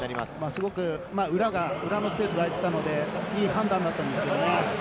すごく裏のスペースが空いていたので、いい判断だったんですけれども。